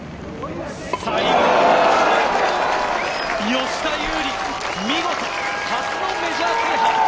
吉田優利、見事初のメジャー制覇！